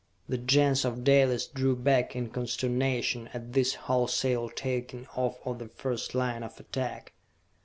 The Gens of Dalis drew back in consternation at this wholesale taking off of the first line of attack.